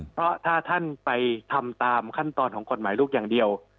เพราะถ้าท่านไปทำตามขั้นตอนของกฎหมายลูกอย่างเดียว